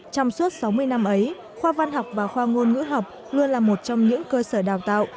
trong suốt sáu mươi năm ấy khoa văn học và khoa ngôn ngữ học luôn là một trong những cơ sở đào tạo